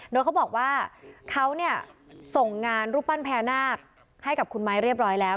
โดยเขาบอกว่าเขาเนี่ยส่งงานรูปปั้นพญานาคให้กับคุณไม้เรียบร้อยแล้ว